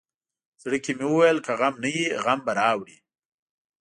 زړه کې مې ویل که غم نه وي غم به راوړي.